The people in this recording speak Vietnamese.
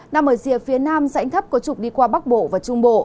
nằm ở dịp phía nam dạnh thấp có trục đi qua bắc bộ và trung bộ